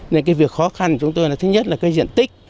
nên cái việc khó khăn của chúng tôi là thứ nhất là cái diện tích